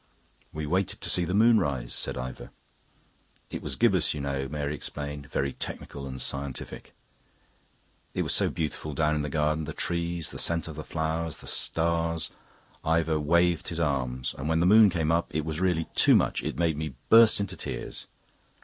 "We waited to see the moon rise," said Ivor. "It was gibbous, you know," Mary explained, very technical and scientific. "It was so beautiful down in the garden! The trees, the scent of the flowers, the stars..." Ivor waved his arms. "And when the moon came up, it was really too much. It made me burst into tears."